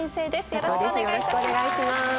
よろしくお願いします。